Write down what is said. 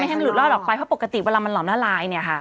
ให้มันหลุดลอดออกไปเพราะปกติเวลามันหล่อมละลายเนี่ยค่ะ